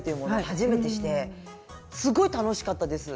初めてしてすごい楽しかったです。